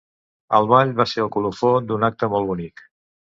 El ball va ser el colofó d'un acte molt bonic.